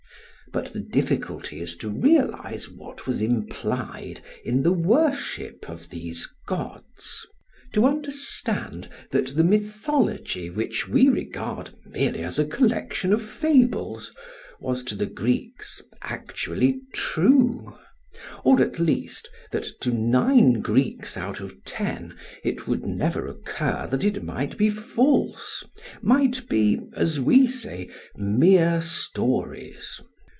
But the difficulty is to realise what was implied in the worship of these gods; to understand that the mythology which we regard merely as a collection of fables was to the Greeks actually true; or at least that to nine Greeks out of ten it would never occur that it might be false, might be, as we say, mere stories.